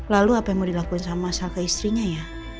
lalu apa yang mau dilakuin sama salka istrinya ya